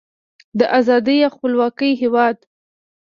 د ازادۍ او خپلواکۍ هیواد.